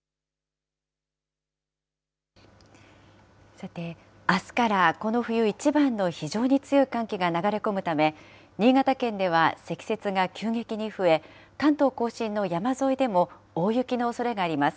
さて、あすからこの冬一番の非常に強い寒気が流れ込むため、新潟県では積雪が急激に増え、関東甲信の山沿いでも、大雪のおそれがあります。